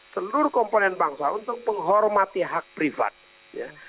seluruh komponen bangsa untuk menghormati hak privat ya